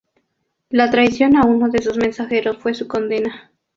La traición a uno de sus mensajeros fue su condena.